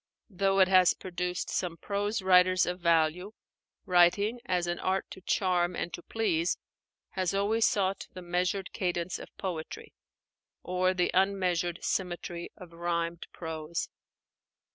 Though it has produced some prose writers of value, writing, as an art to charm and to please, has always sought the measured cadence of poetry or the unmeasured symmetry of rhymed prose.